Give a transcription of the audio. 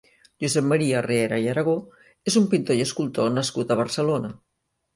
Josep Maria Riera i Aragó és un pintor i escultor nascut a Barcelona.